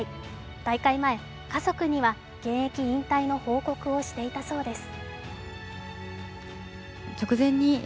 大会前、家族には、現役引退の報告をしていたそうです。